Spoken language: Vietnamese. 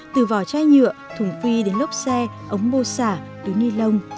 từ vỏ chai nhựa thùng phi đến lốp xe ống mô xả đối nilon